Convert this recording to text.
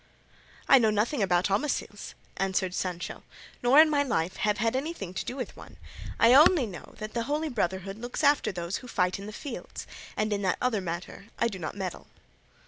"I know nothing about omecils," answered Sancho, "nor in my life have had anything to do with one; I only know that the Holy Brotherhood looks after those who fight in the fields, and in that other matter I do not meddle."